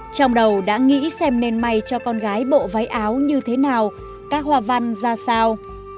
trong đầu đã nghĩ xem nên may cho con gái bộ váy áo như thế nào các hoa văn ra sao